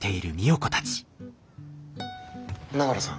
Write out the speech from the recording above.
永浦さん。